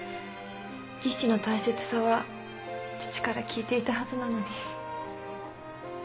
技師の大切さは父から聞いていたはずなのに。